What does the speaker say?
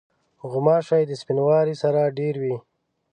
غوماشې د سپینواري سره ډېری وي.